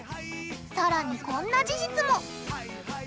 さらにこんな事実も！